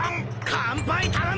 乾杯頼む！